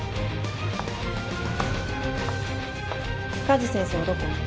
加地先生はどこ？